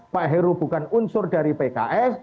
pak heru bukan unsur dari pks